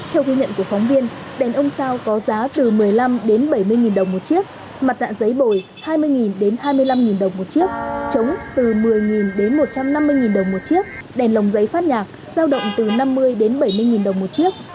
theo ghi nhận của phóng viên đèn ông sao có giá từ một mươi năm đến bảy mươi đồng một chiếc mặt nạ giấy bồi hai mươi hai mươi năm đồng một chiếc trống từ một mươi đến một trăm năm mươi đồng một chiếc đèn lồng giấy phát nhạc giao động từ năm mươi đến bảy mươi nghìn đồng một chiếc